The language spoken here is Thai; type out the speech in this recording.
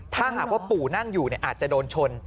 ถ้าหากว่าปู่นั่งอยู่อาจจะโดนชน